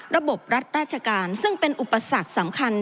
ระบบรัฐราชการซึ่งเป็นอุปสรรคสำคัญ